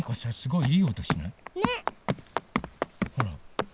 ほら。